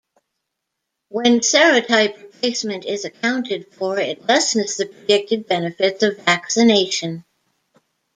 When serotype replacement is accounted for, it lessens the predicted benefits of vaccination.